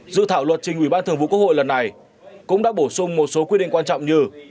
dự thảo luật trình ủy ban thường vụ quốc hội lần này cũng đã bổ sung một số quy định quan trọng như